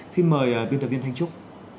xin mời biên tập viên thanh trúc